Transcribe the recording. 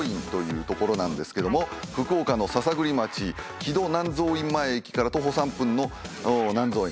福岡の篠栗町城戸南蔵院前駅から徒歩３分の南蔵院。